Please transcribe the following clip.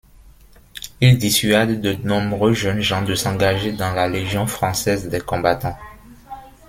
Il dissuade de nombreux jeunes gens de s'engager dans la Légion française des combattants.